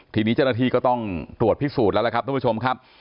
ทีนี้เจ้าหน้าที่ก็ต้องตรวจพิสูจน์แล้วล่ะครับทุกผู้ชมครับ